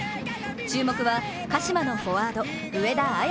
注目は鹿島のフォワード